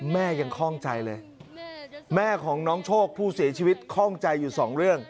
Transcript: แม่ยังคล่องใจเลยแม่ของน้องโชคผู้เสียชีวิตคล่องใจอยู่สองเรื่อง